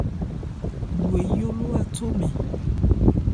Lo eyó ló áthomɛn.